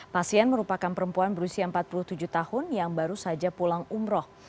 pasien merupakan perempuan berusia empat puluh tujuh tahun yang baru saja pulang umroh